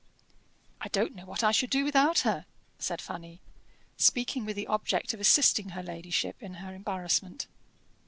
"I don't know what I should do without her," said Fanny, speaking with the object of assisting her ladyship in her embarrassment.